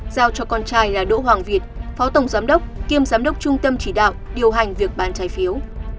giao cho con trai là đỗ hoàng việt phó tổng giám đốc kiêm giám đốc trung tâm chỉ đạo điều hành việc bán trái phiếu